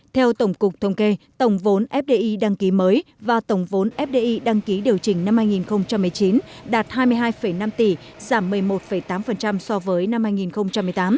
theo tổng cục thống kê tổng vốn fdi đăng ký mới và tổng vốn fdi đăng ký điều chỉnh năm hai nghìn một mươi chín đạt hai mươi hai năm tỷ giảm một mươi một tám so với năm hai nghìn một mươi tám